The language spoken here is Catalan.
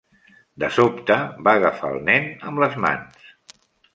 De sobte va agafar el nen amb les mans.